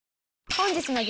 本日の激